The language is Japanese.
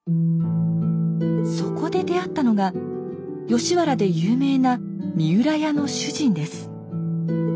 そこで出会ったのが吉原で有名な三浦屋の主人です。